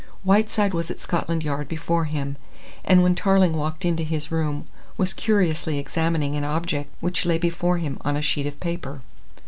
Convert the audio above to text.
Whiteside was at Scotland Yard before him, and when Tarling walked into his room was curiously examining an object which lay before him on a sheet of paper.